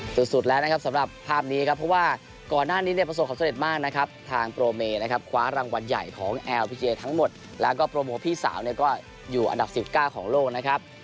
สุดแล้วนะครับสำหรับภาพนี้ครับเพราะว่าก่อนหน้านี้เนี่ยประสบความสำเร็จมากนะครับทางโปรเมนะครับคว้ารางวัลใหญ่ของแอลพิเจทั้งหมดแล้วก็โปรโมทพี่สาวเนี่ยก็อยู่อันดับ๑๙ของโลกนะครับ